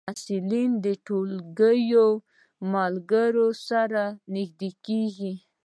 ځینې محصلین د ټولګي ملګرو سره نږدې کېږي.